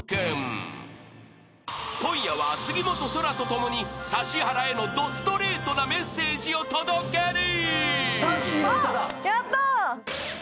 ［今夜は杉本青空と共に指原へのどストレートなメッセージを届ける］